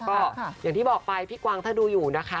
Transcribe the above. ก็อย่างที่บอกไปพี่กวางถ้าดูอยู่นะคะ